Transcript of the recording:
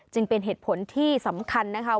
จึงเป็นเหตุผลที่สำคัญนะคะ